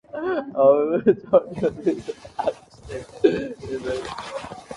However, the charge was based on alleged statements made by his son in school.